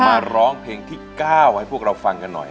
มาร้องเพลงที่๙ให้พวกเราฟังกันหน่อย